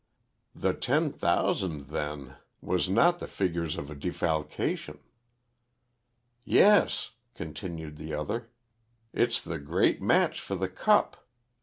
The ten thousand, then, was not the figures of a defalcation. "Yes," continued the other, "it's the great match for the cup.